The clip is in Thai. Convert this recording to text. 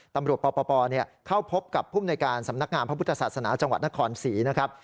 ตำรวจปปเนี่ยเข้าพบกับผู้ในการสำนักงามพระพุทธศาสนาจังหวัดนครศรีนะครับ